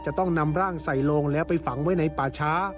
จะต้องนำร่างใส่โลงแล้วไปฝังไว้ในป่าช้า